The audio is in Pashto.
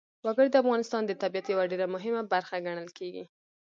وګړي د افغانستان د طبیعت یوه ډېره مهمه برخه ګڼل کېږي.